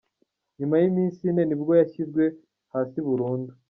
Nyuma y’iminsi ine nibwo yashyizwe hasi burundu.